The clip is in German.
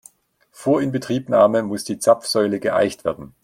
Vor Inbetriebnahme muss die Zapfsäule geeicht werden.